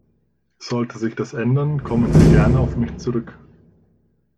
Sollte sich das ändern, kommen Sie gerne auf mich zurück!